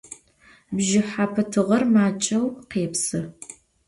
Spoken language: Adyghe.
Bjjıhepe tığer maç'eu khêpsı.